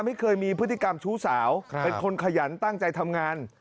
ไม่เคยมีพฤติกรรมชู้สาวเป็นคนขยันตั้งใจทำงาน